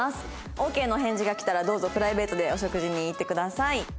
オーケーの返事が来たらどうぞプライベートでお食事に行ってください。